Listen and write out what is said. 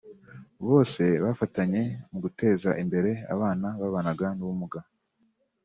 bose bafatanye mu guteza imbere abana bababana n’ubumuga